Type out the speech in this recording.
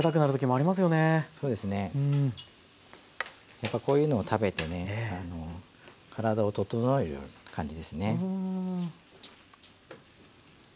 やっぱこういうのを食べてね体を整える感じですね。